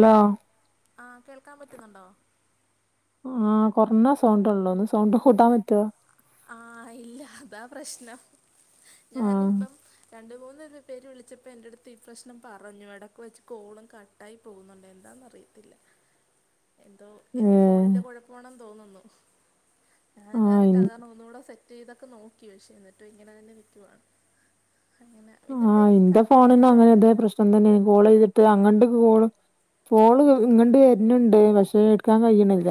Law ആഹ കേൾക്കാൻ പറ്റുന്നുണ്ടോ ആഹ് കൊറഞ്ഞ സൗണ്ട് ഉള്ളോ ഒന്ന് സൗണ്ട് കൂട്ടാൻ പറ്റുവോ ആഹ് ഇല്ല അതാ പ്രശ്നം ആ ഞാനിപ്പം രണ്ട് മൂന്ന് ഇത് പേര് വിളിച്ചപ്പോൾ എൻ്റെ അടുത്ത് ഈ പ്രശ്നം പറഞ്ഞു ഇടയ്ക്ക് വെച്ച് കോളും കട്ടായി പോകുന്നുണ്ട് എന്താണെന്ന് അറിയത്തില്ല ഏ എന്റെ ഫോണിന്റെ കുഴപ്പമാണെന്ന് തോന്നുന്നു ആ ഞൻ അത് ഇൻ- കാരണം ഒന്ന്കൂടെ സെ ഇതൊക്കെ നോക്കി പക്ഷെ എന്നിട്ടും ഇങ്ങനെ തന്നെ നിൽകുവാ ആഹ് എന്റെ കാപ്പിയൊക്കെ ഫോണന്ന് കുടിച്ചോ അങ്ങനെ ഇതേ പ്രശ്നം തന്നെ കോൾ ചെയ്തിട്ട് അങ്ങട്ട കോളും ഫോള് ഇങ്ങണ്ട് വര്രുന്ണ്ട് പക്ഷെ എടുക്കാൻ ക യ്യിണില്ല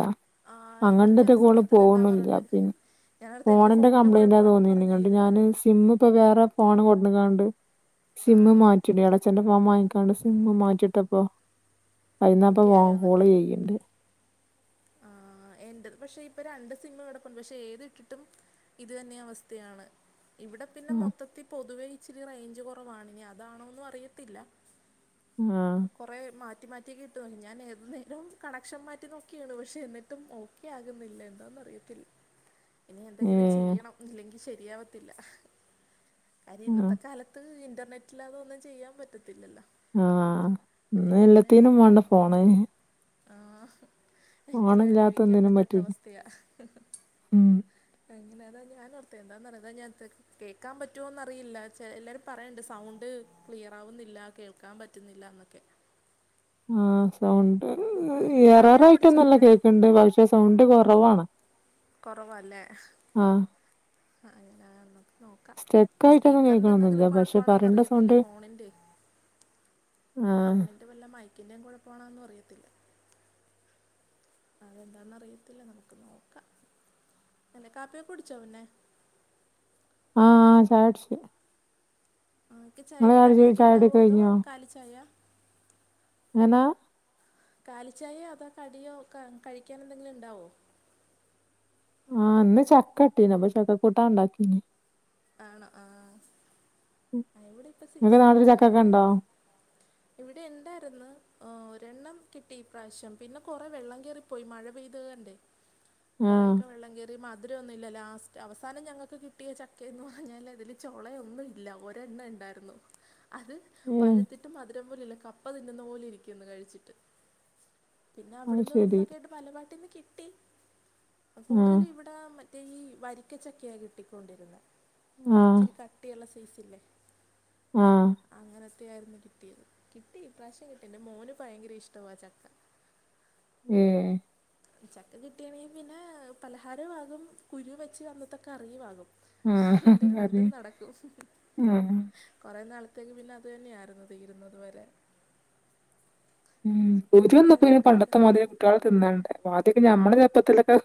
ആഹ് എനിക്ക് ചില പണ്ടറ്റെ കോള് സമയത്ത് ഇത് പോക്ണില്ല ഉണ്ടാവാറുണ്ട് പിന്നെ ഞാനോർത്ത് എൻ്റെ ഫോണിന്റെ ഫോണിൻ്റെ കംപ്ലയിന്റ കുഴപ്പമാന്നും തോന്നിണ്ട് പറഞ്ഞാ ങ്ങട്ട് ഞാന് ഇരുന്നത് സിം ഇപ്പോ വേറെ ഫോണ് കൊണ്ട് കാണ്ട് സിമ് ആണോ മാറ്റിട [unintelligible] അച്ഛന്റെ ഫോൺ വാങ്ങിക്കാണ്ട് സിമ്മ് മാറ്റിട്ടപ്പോ ഐന്നപ്പ ഓക്കെ ആയോ കോള് ചെയ്യ്ണ്ട് ആഹ് എന്റെത് പക്ഷെ ഇപ്പ രണ്ട് സിമ് കെടപ്പുണ്ട് പക്ഷെ ഏത് ഇട്ടിട്ടും ഇത് തന്നെ അവസ്ഥയാണ് ഇവിടെ പിന്നെ ആ മൊത്തത്തിൽ പൊതുവേ ഇച്ചിരി റേഞ്ച് കുറവവാണ് നി അതാണോന്നും അറിയത്തില്ല ആഹ് കുറെ മാറ്റി മാറ്റിയൊക്കെ ഇട്ടു ഞാൻ ഏതുന്നേരം കണക്ഷൻ മാറ്റി നോക്കി ക്കാണ് പക്ഷെ എന്നിട്ടും ഓക്കെ ആകുന്നില്ല എന്താന്ന് അറിയത്തില്ല ഇനി ഏ എന്തെങ്കിലും ചെയ്യണം ഇല്ലെങ്കിൽ ശരിയാവത്തില്ല കാര്യം ആ ഇന്നത്തെ കാലത്ത് ത് ഇന്റർനെറ്റിലാ തൊന്നും ചെയ്യാൻ പറ്റത്തില്ലല്ലോ ആഹ് ഇന്ന് എല്ലത്തിനും വാണ്ടെ ഫോണ് ആഹ് മറ്റില്ല ഫോണില്ലാത്ത ജീവിക്കാൻ ഒന്നിനും പറ്റാത്ത പറ്റൂല അവസ്ഥയാ ഉം എങ്ങനെയാ അതാ ഞാൻ ഓർത്തത് എന്താെന്ന പറിയതാ ഞൻ കേൾക്കാൻ പറ്റുവോ എന്നറിയില്ല ചെ എല്ലാരും പറയുന്നുണ്ട് സൗണ്ട് ക്ലിയർ ആവുന്നില്ല കേൾക്കാൻ പറ്റുന്നില്ല ന്നൊക്കെ ആഹ് സൗണ്ട് അപ്പം അങ്ങനെ കാപ്പിയൊക്കെ കുടിച്ചോ ഏററായിട്ടൊന്നല്ല പിന്നെ കേൾക്കണ്ട് പക്ഷെ സൗണ്ട് കൊറവാണ് കുറവല്ലേ ആഹ് അ ആഹ് [unintelligible] നോക്കാം സ്റ്റെക്ക് ഇനി ആയിട്ടൊന്നും കേൾക്കണൊന്നില്ല സ്പീക്കറിന്റെന്തെങ്കിലും പക്ഷെ കൊഴപ്പമാണോന്ന് പറയണ്ട സൗണ്ട് അറിയത്തില്ലേ ഫോണിന്റെ ആഹ വല്ല മൈക്കിന്റെയും കൂടെ പോണം ന്നും അറിയത്തില്ല എന്താന്നറിയത്തില്ല നമുക്ക് നോക്കാം കാപ്പി കൂട്ച്ചോ പിന്നെ ആഹ് ചായ്ച്ചു ൻക്ക് ചായൊക്ക് ചായ കടിയൊക്കെ ഉണ്ടാവോ ചായുടിയൊക്കെ അതോ കഴിഞ്ഞോ കാലി ചായ? എങ്ങനാ കാലിച്ചായോ അത കടിയോ കഴിക്കാന എന്തെങ്കിലും ഉണ്ടാവോ? ആഹ് ഇന്ന് ചക്ക കിട്ടീനി അപ്പ ചക്ക കൂട്ടാ ഇണ്ടാക്കിനി ആണോ ആഹ് അവിടെ ഇപ്പ ഇങ്ങക്ക് നാട്ടില് സീസണൊക്കെ ചക്കക്കെ ഇണ്ടോ കഴിഞ്ഞതിന്റെ ഇവിടെ ഇണ്ടായിരുന്നു ഒരെണ്ണം കിട്ടി ഇപ്രാവിശ്യം പിന്നെ കൊറേ വെള്ളം കേറിപ്പോയി മഴ പെയ്തോണ്ടേ ആഹ് കൊറെക്കെ വെള്ളം കയറി മധുരന്നുല്ല ലാസ്റ്റ് അവസാനം ഞങ്ങൾക്ക് കിട്ടിയ ചക് കെ ഞ്ഞാല് അതില് ചോളയൊന്നും ഇല്ല ഒരെണ്ണ ഇണ്ടായിരുന്നു ഇത് ഏഹ് പഴുത്തിട്ടും മധുരം പോലുല്ല കപ്പ തിന്നുന്ന പോലെ ഇരിക്കന്ന് കഴിച്ചിട്ട് പിന്നെ അത് അവിട്ന്ന് ശരി ഇവിട്ന്നൊക്കെ ആട്ട് പലപാട്ടിന്ന് കിട്ടി ആഹ് കൂടുതലും ഇവിടെ മറ്റേ ഈ വരിക്കച്ചക്കയ കിട്ടിക്കൊണ്ടിരുന്നത് ആഹ് ഇച്ചിരി കട്ടിയുള്ള സൈസ്ല്ലേ ആഹ് അങ്ങനത്തെയ ആയിരുന്നു കിട്ടിയത് കിട്ടി ഇ പ്രാവശ്യം കിട്ടി എന്റെ മോന് ഭയങ്കര ഇഷ്ട ആ ചക്ക ഏഹ് ചക്ക കിട്ടിയണെങ്കിൽ പിന്നെ പലഹാര ആകും കുരു വെച്ച് അന്നത്തെ കറിയും ആകും ആഹ് അതൊണ്ട് അറിയ രണ്ടും നടക്കും ആഹ് കുറേ നാളത്തേക്ക് പിന്നെ അതു തന്നെയായിരുന്നു തീരുന്നത് വരെ ഉം ഇനിയിപ്പോൾ കുരുവൊന്നിപ്പ ഇനി പണ്ടത്തെ എന്തെങ്കിലുമൊക്കെ മാതരി തിന്നാണ്ടെ ആദ്യെ ഞമ്മളെ ചെർപ്പത്തിലൊക്കെ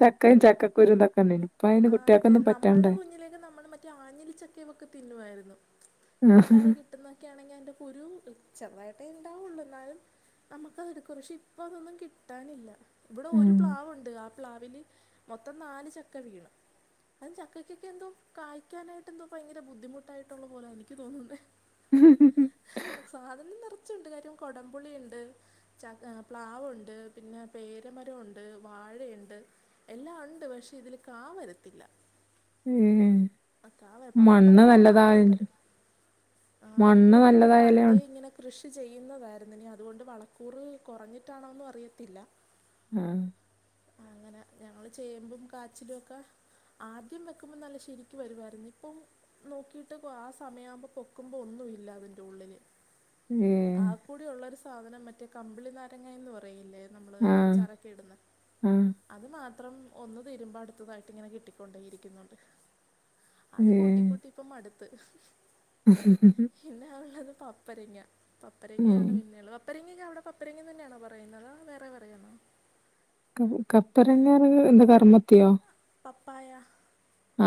ചക്കയും ചക്കക്കുരു തൊക്കെണ്ടയ്നി ആഹ് അതെ നമ്മള്ടെ കുഞ്ഞിലേക്കെ നമ്മൾ മറ്റേ ആഞ്ഞിലിച്ചക്കെവക്കെ തിന്നുവായിരുന്നു ആഹ് പിട്ടുന്നൊക്കൊണെങ്കിൽ അയ്ന്റെ കുരു ചെറുതായിട്ടേ ഉണ്ടാവുള്ളൂ എന്നാലും നമ്മുക്കത്ടുക്കും പക്ഷെ ഇപ്പൊ അതൊന്നും കിട്ടാനില്ല ഇവിടെ ഒരു ഉം പ്ലാവുണ്ട് ആ പ്ലാവിൽ മൊത്തം നാല് ചക്ക വീണ് അ ചക്കൊക്കെ എന്തോ കായ്ക്കാനായിട്ട് എന്തോ ഭയങ്കര ബുദ്ധിമുട്ടായിട്ടുള്ള പോലെ എനിക്ക് തോന്നുന്നേ സാധനം നിറച്ചുണ്ട് കാര്യം കൊടംപുളിണ്ട് ചക്ക പ്ലാവുണ്ട് പിന്നെ പേരമരംണ്ട് വാഴയുണ്ട് എല്ലാം ഉണ്ട് പക്ഷെ ഇതിൽ കാവരത്തില്ല മ്ഹ് അ പപ്പരങ്ങ മാത്രം വരും ആ മണ്ണ് ഇവിടെ പിന്നെ നല്ലതായാലേ പണ്ടെ ഉള്ളു. ഇങ്ങനെ കൃഷി ചെയ്യുന്നതായിരുന്നു ഇിനി അതുകൊണ്ട് വളക്കൂറ് കുറഞ്ഞിട്ടാണോന്നും അറിയത്തില്ല ആ അങ്ങനെ ഞങ്ങൾ ചേമ്പും കാച്ചിലും ഒക്കെ ആദ്യം വെക്കുമ്പോ നല്ല ശരിക്കും വരുവമായിരുന്നു ഇപ്പം നോക്കിയിട്ട് ആ സമയമാവുമ്പോ പൊക്കുമ്പോ ഒന്നുമ ഇല്ല അതിൻ്റെ ഉള്ളിൽ ഉം ആ കൂടി ഉള്ളൊ ഒരു സാധനം മറ്റേ കമ്പിളി നാരങ്ങ എന്ന് പറയില്ലേ നമ്മള് ആ അച്ചാറൊക്കെ ഇടുന്ന ആ അത് മാത്രം ഒന്ന് തിരുമ്പോ അടുത്തതായിട്ട് ഇങ്ങനെ കിട്ടിക്കൊണ്ടേയിരിക്കുന്നുണ്ട്. ഏ അത് കൂട്ടി കൂട്ടി ഇപ്പൊ മടുത്ത് മ്ഹ്ഹാ പിന്നെയ ഉള്ളത് പപ്പരങ്ങ ഉം പപ്പരങ്ങയാണ് പിന്നെയുള്ളത് പപ്പരങ്ങൊക്കെ അവിടെ പപ്പരങ്ങി തന്നാണോ പറയുന്നത് വേറെ പറയാമോ ക കപ്പരങ്ങറീ എന്താ കർമ്മത്തിയോ പപ്പായ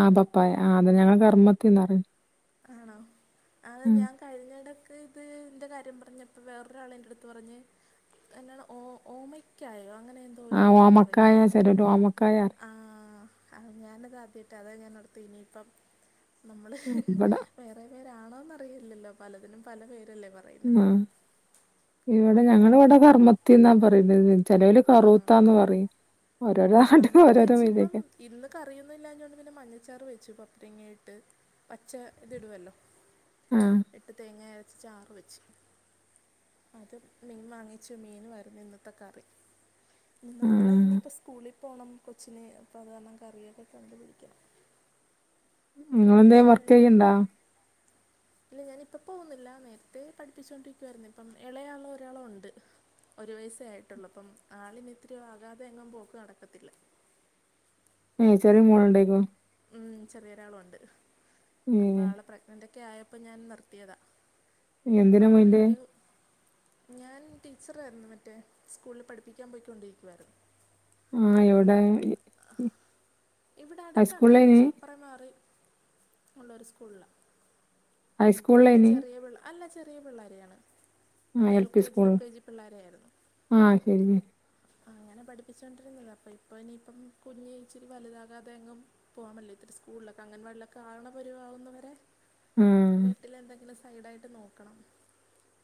ആ പപ്പായ ആ അതെ ഞങ്ങള് കർമ്മത്തിന്ന പറയ ആണോ അത ഞാൻ കഴിഞ്ഞടൊക്കെ ഇതിൻ്റെ കാര്യം പറഞ്ഞപ്പോ വേറൊരാളെ എൻ്റെ അടുത്ത് പറഞ്ഞ് എന്താണ് ഓ ഓമയ്ക്കായോ അങ്ങനെ എ ആഹ് ഓമക്കായ ചെരിട് ഓമക്കായാ ആ ഞാനത് ആദ്യമായിട്ട് അത ഞാൻ എടുത്ത് ഇനിയിപ്പം നമ്മൾ പറയും ഇവിടെ വേറെ പേരാണോന്ന് അറിയില്ലല്ലോ പലതിനും പല പേരല്ലേ പറ ആ ഇവിടെ ഞങ്ങള ഇവിടെ അങ്ങനെ കർമ്മത്തി എന്നാ പറയുന്നത് ചിലർ കറു ആ ത്താന്ന് പറയും ഓരോരോണ്ടും നമ്മളിത് ഓരോരോ വെച്ച് ഇപ്പം മീയിലേക്ക ഇന്ന് കറിയന്നും ഇില്ലാതുകൊണ്ട് പിന്നെ മഞ്ഞച്ചാറ് വെച്ചു പപ്പയ ഇങ്ങയിട്ട് പച്ച ഇതിടുവല്ലോ ആഹ് എട്ട് തേങ്ങ അരച്ച ചാറ് വെച്ചു അത് മീന് വാങ്ങിച്ചു മീനുമായിരുന്നു ഇന്നത്തെ കറി നാളെ ആഹ് ഇനിയിപ്പോ സ്കൂളിൽ പോകണം കൊച്ചിനെ അപ്പ അത് കാരണം കറിയൊക്കെ കണ്ടുപടിക്കണം ഉം ങ്ങളെന്തേം കഴിഞ്ഞ് വർക്കെയ്യ്ണ്ടാ കഴിഞ്ഞാൽ ഇല്ല ഞാനിപ്പ പോവുന്നില്ല നേര്ത്തെ പഠിപ്പിച്ചാേണ്ടിരിക്കുവായ്ര്ന്ന് ഇപ്പം എളേയാളാെരാളാെണ്ട് ഒരു വയസ്സേ ആയിട്ടുള്ളൂ പ്പം ആളിനിത്തിരി ആകാതെ എങ്ങും പോക്ക് നടക്കത്തില്ല ഏച്ചറി മോളുണ്ടേക്കോ ഉം ചെറിയൊരാളുണ്ട് അപ്പൊ ഏഹ് ആളെ പ്രഗ്നന്റ് ഒക്ക ഒക്കെ ആയപ്പോ ഞാൻ നിർത്തിയതാ ഇനിപ്പോ എന്തിനാ അ പോയിന്റെ? അത് ഞാൻ ടീച്ചറായിരുന്നു മറ്റേ സ്കൂളിൽ പഠിപ്പിക്കാൻ പോയിക്കൊണ്ടിരിക്കായിരുന്നു ആഹാ എവിടെ ഇവിടെ അടുത്താണ് ഹൈസ്കൂളിലേനി? കുറച്ച് അപ്പറ മാറി ഉള്ളൊരു സ്കൂളിലാ മറ്റേ ഹൈസ്കൂളിലേനി? ചെറിയ പിള്ള അല്ല ചെറിയ പിള്ളേരെയാണ് ആഹ് അമ്മ L P K G U സ്കൂളിൽ. കെ ജി പിള്ളോരായിരുന്നു ആഹ് ശരി ശരി. അങ്ങനെ പഠിപ്പിച്ചോണ്ടിരുന്നതാ അപ്പൊ ഇപ്പ ഇനിയിപ്പം കുഞ്ഞ് ഇച്ചിരിവല്താ അല്ലാതെങ്ങും പോവാമല്ലെ ഇത്തിരി സ്കൂൾലൊക്കെ അംഗൻവാടിലൊക്കെ ആവണ പരുവാകുന്നവരെ ആഹ് വീട്ടിലെന്തെങ്കിലും സൈഡായിട്ട് നോക്കണം.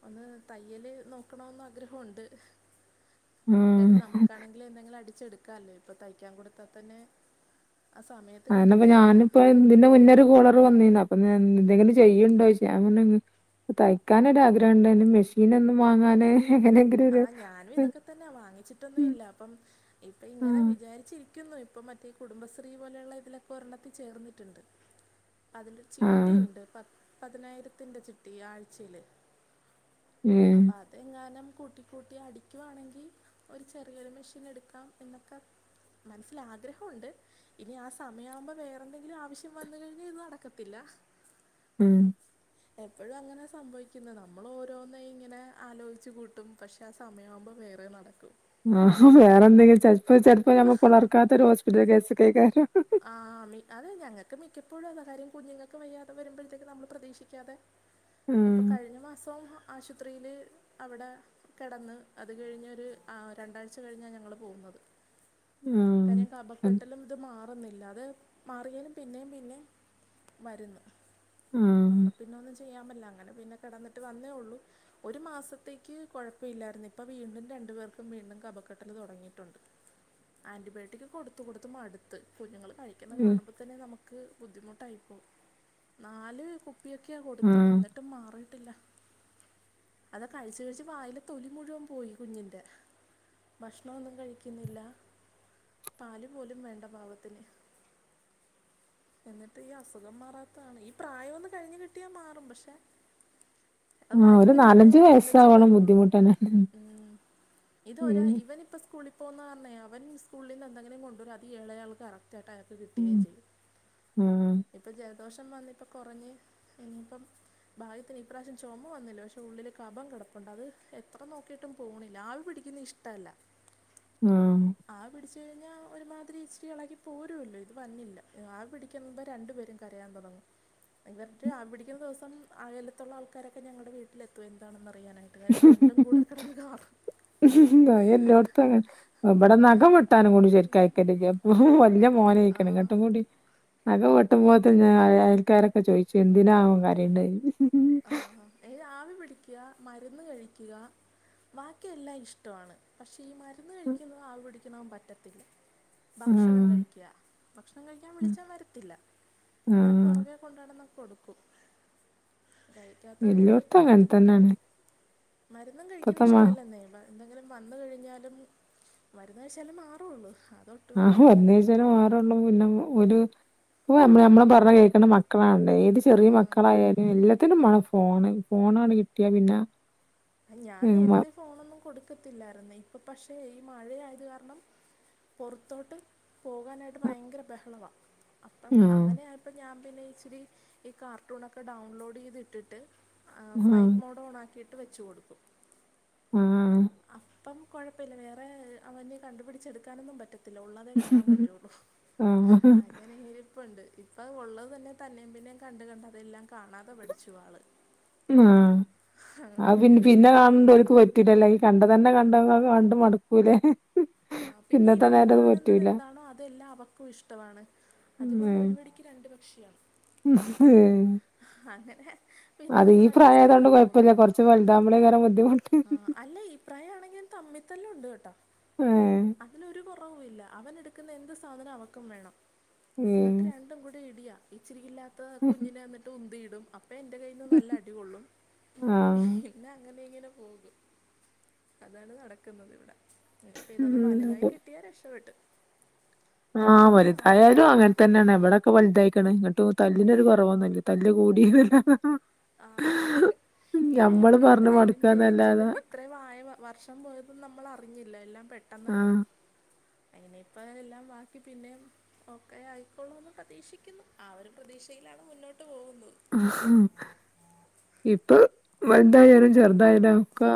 ഒന്ന് തയ്യല് നോക്കണോന്ന് ആഗ്രഹൊണ്ട്. ആഹ് കാര്യം നമുക്കാണെങ്കിലും എന്തെങ്കിലും അടിച്ചെട്ക്കാല്ലോ ഇപ്പൊ തയ്ക്കാൻ കൊടുത്താ തന്നെ ആ സമയ അ എന്നെപ്പ ഞാനുപ്പത് ഇതിന്റെ മുന്നൊരു കോളർ വന്നീന്ന് അപ്പൊ ഞാൻ എന്തെങ്കിലും ചെയ്യുണ്ടോയ്ച്ച് ഞാ പർഞ് ഒന്ന് തയ്ക്കാനൊരു ആഗ്രഹണ്ടേനി മിഷീനൊന്നും വാങ്ങാതെ എങ്ങനെ ആഹ് ഞാനും ഇതൊക്കെ തന്നാ വാങ്ങിച്ചിട്ടൊന്നൂല്ല. അപ്പം ഇപ്പൊ ഇങ്ങനെ ആഹ് വിചാരിച്ചിരി ക്കുന്നു ഇപ്പൊ മറ്റേ കുടുംബശ്രീ പോലെയ്ള്ള ഇതിലൊക്കെ ഒരെണ്ണത്തി ചേർന്നിട്ട്ണ്ട് അതിൻ്റെ ആഹ് ചിട്ടിയുണ്ട്. പ പതിനായിരത്തിന്റെ ചിട്ടി. ആഴ്ചയില് അപ്പ ഉം അതെങ്ങാനും കൂട്ടിക്കൂട്ടി അടിക്കുവാണെങ്കി ഒരു ചെറിയൊരു മെഷീനെടുക്കാം എന്നൊക്കെ മൻസ്സ്ലാഗ്രഹ ഉണ്ട് ഇനി ആ സമയാവുമ്പ വേറെന്തെങ്കിലും ആവശ്യം വന്ന്കഴിഞ്ഞ ഇത് നടക്കത്തില്ല ഉം എപ്പഴും അങ്ങനെ സംഭവിക്കുന്നെ. നമ്മൾ ഓരോന്ന് ഇങ്ങനെ ആലോയിച്ചുകൂ ട്ടും പക്ഷെ ആ സമയാവുമ്പ വേറെനടക്കും ആഹാ വേറെന്തെങ്കിലും ചെൽപ്പ ചെൽപ്പ നമ്മ പുളർക്കാത്തൊരു ഹോസ്പിറ്റൽ കേസ് കൈകാര്യം ആഹ് മി അത് ഞങ്ങക്ക് മിക്കപ്പോഴും അതാകാര്യം. കുഞ്ഞുങ്ങക്ക് വയ്യാതെ വരുമ്പഴത്തേക്ക് നമ്മൾ പ്രതീക്ഷിക്കാതെ ഇപ്പൊ ആഹ് കഴിഞ്ഞമാസം ആശൂത്രീല് അവിടെ കെടന്ന് അത് കഴിഞ്ഞൊരു ആ രണ്ടാഴ്ച കഴിഞ്ഞാ ഞങ്ങള് പോവുന്നത് ആഹ് കാര്യം അൻ കബക്കെട്ടലും ഇത് മാ റുന്നില്ല അത് മാറിയാലും പിന്നേം പിന്നേം വര്ന്ന് അപ്പാെ ആഹ് പിന്നെ ഒന്നും ചെയ്യാൻ പറ്റില്ല അങ്ങെനെ പിന്നെ കെടെന്നിട്ട് വന്നേ ഒള്ളൂ ഒരു മാസത്തേക്ക് കൊഴപ്പഇല്ലായിരുന്നു. ഇപ്പ വീണ്ടും രണ്ട്പേർക്കും വീണ്ടും കഫക്കെട്ടല് തുടങ്ങിയിട്ടുണ്ട്. ആന്റിബയോട്ടിക്ക് കൊടുത്ത് കൊടുത്ത് മട്ത്ത് കുഞ്ഞുങ്ങള് കഴിക്കുന്ന കാണുമ്പതന്നെ നമുക്ക് ബുദ്ധിമുട്ടായിപ്പോവും. നാല് കു പ്പിയൊക്കെയ ഉം കൊടുത്തത്. ആഹ് ന്നട്ടും മാറീട്ടില്ല. അതാ കഴിച്ച് കഴിച്ച് വായിലെ തൊലി മുഴുവം പോയി കുഞ്ഞിന്റെ ഭശ്ണാെന്നും കഴിക്ക്ന്നില്ല പാല് പോലും വേണ്ട പാവ [unintelligible] എന്നിട്ട് ഈ അസുഖം മാറാത്തതാണ്. ഈ പ്രായോന്ന് കഴിഞ്ഞ് കിട്ടിയാമാറും പക്ഷെ അത് ആഹ് ഒരു വരുമ്പ നാലഞ്ച് രണ്ടുപേർക്കും വയസ്സാവോളം ഒന്നിച്ചേവരുവൊള്ളൂ. ബുദ്ധിമുട്ടന്നെ ഉം. ഇത് ഒരാ ഉം ഇവനിപ്പ സ്കൂളിപോവുന്നകാരണേ അവൻ സ്കൂളിന്ന് എന്തെങ്കിലും കൊണ്ടൊരും അത് എളയാൾക്ക് അറ ചേട്ടായപ്പം ഉം കിട്ട്കേം ചെയ്യും ആഹ് ഇപ്പം ജൽദോഷം വന്നിപ്പം കൊറഞ്ഞ് ഇഞ്ഞിപ്പം ഭാഗ്യത്തിന് ഇപ്രാശ്യം ചൊമവന്നില്ല. പക്ഷെ ഉള്ളില് കഫം കിടപ്പുണ്ട്. അത് എത്ര നോക്കീട്ടും പോണില്ല. ആവിപിടിക്കുന്ന ഇഷ് ഷ്‌ടല്ല. ആഹ് ആവി പിടിച്ചുകഴിഞ്ഞ ഒരുമാതിരി ഇച്ചിരി എളകി പോരൂല്ല ഇത് വന്നില്ല. ആവി പിടിക്ക്മ്പ രണ്ടുപേരും കരയാൻതുടങ്ങും. ഇവർടെ ആവി പിടിക്കുന്ന ദിവസം അയലത്തുള്ള ആൾക്കാരൊക്കെ ഞങ്ങളുടെ വീട്ടിലെത്തും എന്താണെന്ന് അറിയാന അന്നേരം രണ്ടുകൂടെ കെടന്ന് കാട്ട് അഹ് എല്ലോട്ത്തും അങ്ങെൻ അത് ഇബടെ നഖം വെട്ടാനുംകൂടി അതാണ് ഞാൻ ശെര്ക്കയ്ക്കലില്ലപ്പം വല്യെ ആ മോനെയിക്ക്ണ് ഇങ്ങട്ടുംകൂടി നഖംവെട്ടുമ്പോത്തിനു ഞാൻ അയൽക്കാരൊക്കെ ചോയിച്ചു എന്തിനാ അവൻ കരയുന്നേന്ന് ആഹാ ഹാ ഇവന് ആവി പിടിക്ക മരുന്ന് കഴിക്കുക ബാക്കിയെല്ലാം ഇഷ്ടവാണ്. പക്ഷേ ഈ മരുന്ന് കഴിക്കുന്നതും ആവിപിടിക്ക്ണതും പറ്റത്തില്ല ഭക്ഷണം ആഹ് കഴിക്കുക ഭക്ഷണം കഴിക്കാൻ വിളിച്ചാൽ വരത്തില്ല പിന്നെ ആഹ് പുറകെ കൊണ്ട് നടന്നോകെ കൊടുക്കും കഴിക്കാത്താണ് ഇപ്പ എല്ലോട്ത്തും ഏറ്റവും അങ്ങനെ ബുദ്ധിമുട്ട് തന്നെയാണ് മരുന്നും കഴിക്കണ ഇപ്പത്തെ മ ഇഷ്ടമല്ലന്നെ എന്തെങ്കിലും വന്ന് കഴിഞ്ഞാലും മരുന്ന് കഴിച്ചാൽ മാറുവോള്ള് അതൊ ആഹ് മറന്നുകഴിച്ചല്ലേ മാറുവോളളു പിന്നെ ഒരു ഓ നമ്മള് പറഞ്ഞ കേൾകണ മക്കളാണ് ഏത് ആ, ചെറിയ മക്കളായാലും എല്ലാത്തിനും മ്മാണംഫോണ് ഫോണണ് കിട്ടിയ പിന്നെ ഞാൻ ആഹ് നേരത്തെ ഫോണൊന്നും കൊടുക്കത്തില്ലായിരുന്നു ഇപ്പൊ പക്ഷേ ഈ മഴയത് കാരണം പൊറത്തോട്ട് പോകാനായിട്ട് ഭയങ്കര ബഹള വാ അപ്പം അങ്ങനെ ആയപ്പോൾ ഞാൻ പിന്നെ ഇച്ചിരി ഈ കാർട്ടൂനൊക്കെ ഡൗൺലോഡ് ചെയ്ത് ഇട്ടിട്ട് ആഹ് ഫ്ലൈറ്റ് മോഡ് ഓൺ ആക്കിയിട്ട് വെച്ച കൊടുക്കും ആഹ് അഹ് ഇപ്പം കുഴപ്പമില്ല വേറെ അവനെ കണ്ടുപിടിച്ചെടുക്കാനൊന്നും പറ്റില്ല ഒള്ളതെ കാണാൻ പറ്റുള്ളു അങ്ങനെങ്ക ഇപ്പുണ്ട് ഇപ്പ ഉള്ളത് തന്നെ തന്നെയും പിന്നെയും കണ്ട് കണ്ട് എല്ലാം കാണാതെ പഠിച്ചു ആള് ആഹ് ആത് അതുകൊണ്ട് പിന്നെ ഇപ്പം പിന്നെ ഇഷ്ടമാണ് കാണ ഒലക് പറ്റുല്ലാലോ ഈ കണ്ട തന്നെ കണ്ട് കണ്ട് മടക്കൂലേ ആഹ് പിന്നെ ഇവൻ കാണുന്നത് എന്താണോ അതെല്ലാം അവക്കും ഇഷ്ടമാണ് ഉം. അത്കൊണ്ട് ഒരു വടിക്ക് രണ്ടു പക്ഷിയാ [inaudible] അങ്ങനെ പിന്നെ അത് ഈ നമ്മൾ അഡ്ജസ്റ്റ് ഈത് പ്രായായതോണ്ട് പോകും കൊഴപ്പല്ല കൊറച്ച് വലുതാവുമ്പളേക്കാരം ബുദ്ധിമുട്ട് ആ അല്ല ഇപ്രയാണങ്കി തമ്മിതല്ല് ഉണ്ട് കേട്ടോ [unintelligible] അതിനൊരു കുറവില്ല അവൻ എടുക്കുന്ന എന്ത് സാധനം അവക്കും വേണം ഉം എന്നിട്ട് രണ്ടും കൂടി ഇടിയാ ഇച്ചിരി ഇല്ലാത്ത കുഞ്ഞിനെ വന്നിട്ട് ഉന്തിയിടും അപ്പഴേ എന്റെ കയ്ന്ന് നല്ല അടി കൊള്ളും ആഹ് പിന്നെ അങ്ങനെ ഇങ്ങനെ പോകും അതാണ് നടക്കുന്നുന്നത് ഇവിടെ ഇപ്പ ഇതൊന്ന് വലുതായി കിട്ടിയാ രക്ഷപെട്ട് ആഹ് വലുതായാലും അങ്ങനെ തന്നെണ് ഇപടെ വല്തായ്ക്ക്ണ് ഇങ്ങിട്ടും തല്ലിനൊരു കൊറവൊന്നുല്ല തല്ല് കൂടി നല്ലാതെ ആഹ് പിന്നെ ആയാൾക്ക് പറഞ്ഞ് എന്തയാലും മടുക്കാന്നല്ലാതെ ജനിച്ചതും ഇത്രയും വായ വർഷം പോയതും നമ്മൾ അറിഞ്ഞില്ല എല്ലാം പെ പെട്ടന്ന്ആർന്നു ആഹ് അങ്ങനെ ഇപ്പ എല്ലാം ബാക്കി പിന്നെ ഒക്കെ ആയിക്കോള്ളൂന്ന് പ്രതീക്ഷിക്കുന്നു ആ ഒരു പ്രതീക്ഷയിലാണ് മുന്നോട്ട് പോകുന്നത് അഹാ ഇപ്പൊ വല്തായാലും ചെറുതായാലും ഒക്ക